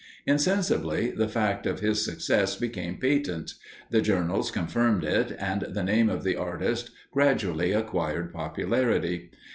Insensibly the fact of his success became patent the journals confirmed it, and the name of the artist gradually acquired popularity.